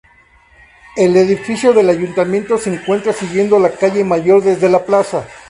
El edificio del ayuntamiento se encuentra siguiendo la calle mayor desde la Plaza.